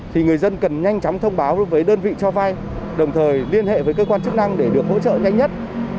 thì người dân cần nhanh chóng thông báo với đơn vị cho vai đồng thời liên hệ với cơ quan chức năng để được hỗ trợ nhanh nhất